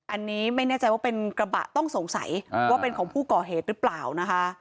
อันนี้ไม่แน่ใจว่าเป็นกระบะต้องสงสัยว่าเป็นของผู้ก่อเหตุหรือเปล่านะคะ